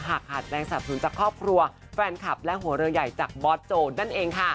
หากขาดแรงสรรพสูญจากครอบครัวแฟนคลับและหัวเรือใหญ่จากบอสโจนั่นเองค่ะ